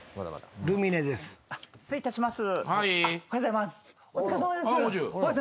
はい。